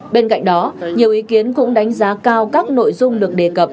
bên cạnh đó nhiều ý kiến cũng đánh giá cao các nội dung được đề cập